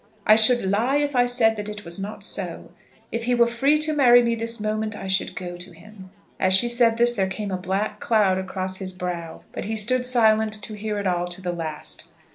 I should lie if I said that it was not so. If he were free to marry me this moment I should go to him." As she said this, there came a black cloud across his brow; but he stood silent to hear it all to the last.